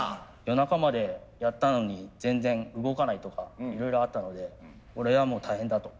夜中までやったのに全然動かないとかいろいろあったのでこれはもう大変だと。